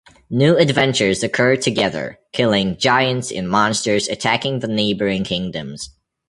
New adventures occur together, killing giants and monsters attacking the neighboring kingdoms.